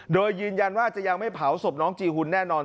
โดยยืนยันว่าจะยังไม่เผาศพน้องจีหุ่นแน่นอน